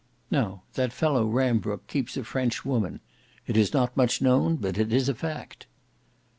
Now that fellow Rambrooke keeps a French woman. It is not much known, but it is a fact."